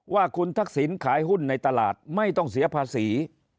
ว่าคุณทักษิณขายหุ้นในตลาดไม่ต้องเสียภาษี